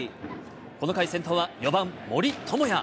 この回先頭は、４番森友哉。